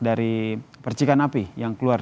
dari percikan api yang keluar